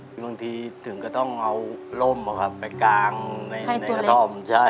บางทีถึงก็ต้องเอาร่มออกไปกลางในกระท่อม